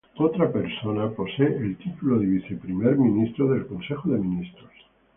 Otra persona posee el título de viceprimer ministro del consejo de ministros.